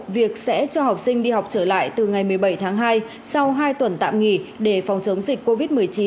việc sẽ cho học sinh đi học trở lại từ ngày một mươi bảy tháng hai sau hai tuần tạm nghỉ để phòng chống dịch covid một mươi chín